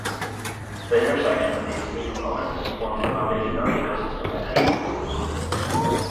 The intersection of these three components forms the foundation of ecosystem management.